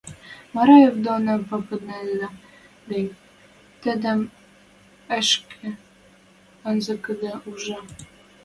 Мараев доно попынедӓ гӹнь, тӹдӹм ӹшке анзыкыда ӱждӓ!